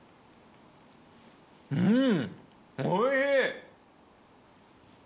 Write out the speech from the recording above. うんおいしい！